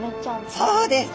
そうです。